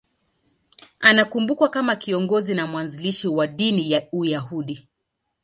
Anakumbukwa kama kiongozi na mwanzilishi wa dini ya Uyahudi.